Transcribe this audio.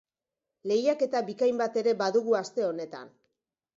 Lehiaketa bikain bat ere badugu aste honetan.